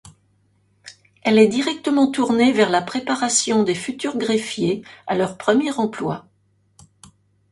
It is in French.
Elle est directement tournée vers la préparation des futurs greffiers à leur premier emploi.